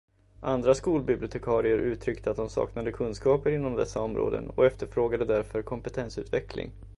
Andra skolbibliotekarier uttryckte att de saknade kunskaper inom dessa områden och efterfrågade därför kompetensutveckling.